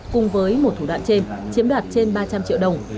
cùng với một thủ đoạn trên chiếm đoạt trên ba trăm linh triệu đồng